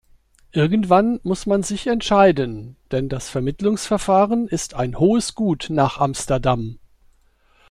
Irgendwann muss man sich entscheiden, denn das Vermittlungsverfahren ist ein hohes Gut nach Amsterdam.